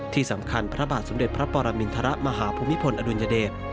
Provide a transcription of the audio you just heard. ที่สำคัญพระบาทสมเด็จพระปรมินทรมาหาภูมิพลอดุลยเดช